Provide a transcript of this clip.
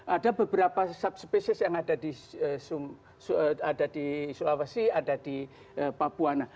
ada beberapa sub species yang ada di sulawesi ada di papua